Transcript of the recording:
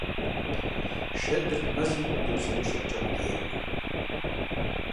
Шэдыр мэзым хуэдэу псэущхьэкӀэ къулейкъым.